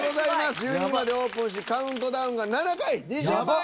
１２位までオープンしカウントダウンが７回２０万円！